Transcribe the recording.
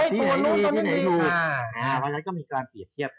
ที่ไหนดูที่ไหนดูแล้วก็มีการเปรียบเทียบ